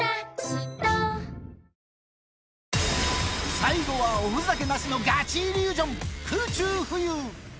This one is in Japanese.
最後は、おふざけなしのガチイリュージョン。